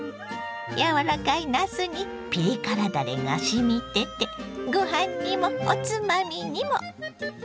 やわらかいなすにピリ辛だれがしみててご飯にもおつまみにも！